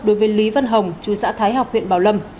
đối với lý văn hồng chú xã thái học huyện bảo lâm